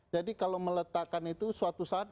jadi kalau meletakkan itu suatu saat